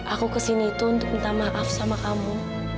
aku kesini itu untuk minta maaf sama kamu